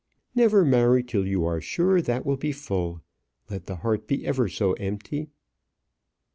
Never marry till you are sure that will be full, let the heart be ever so empty."